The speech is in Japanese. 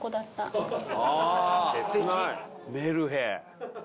メルヘン。